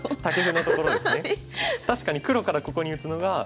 確かに黒からここに打つのが。